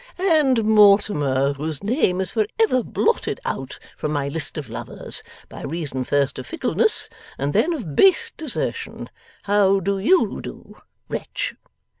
And Mortimer, whose name is for ever blotted out from my list of lovers, by reason first of fickleness and then of base desertion, how do YOU do, wretch?